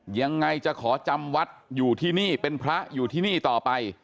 ยังไงจะขอจำวัดอยู่ที่นี่เป็นพระอยู่ที่นี่ต่อไป